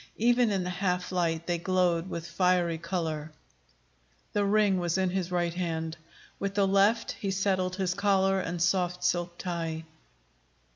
Even in the half light, they glowed with fiery color. The ring was in his right hand. With the left he settled his collar and soft silk tie.